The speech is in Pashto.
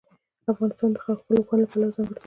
افغانستان د خپلو اوښانو له پلوه ځانګړتیا لري.